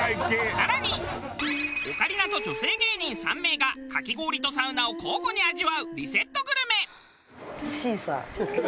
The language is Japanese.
更にオカリナと女性芸人３名がかき氷とサウナを交互に味わうリセットグルメ。